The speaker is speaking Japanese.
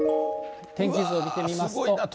天気図を見ますと。